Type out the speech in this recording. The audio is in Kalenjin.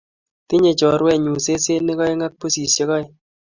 Tinye chorwennyu sesenik aeng' ak pusisyek aeng'